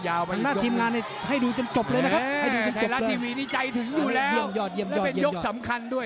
แล้วเป็นยกสำคัญด้วย